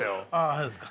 そうですか。